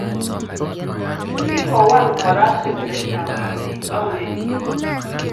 Kikowal Kora sektaitab utalii akowekchi let